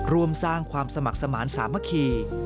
ร่วมสร้างความสมัครสมานสามัคคี